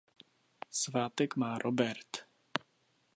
Svátek má Robert.